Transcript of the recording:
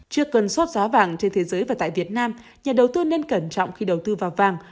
trước cơn sốt giá vàng trên thế giới và tại việt nam nhà đầu tư nên cẩn trọng khi đầu tư vào vàng